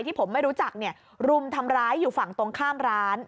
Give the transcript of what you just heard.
ผมไม่รู้จักรุมทำร้ายอยู่ฝั่งตรงข้ามร้าน